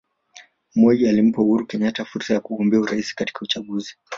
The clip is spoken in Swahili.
Moi alimpa Uhuru Kenyatta na fursa ya kugombea urais katika uchaguzi